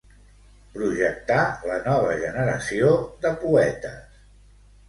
Projectar la nova generació de poetes.